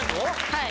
はい。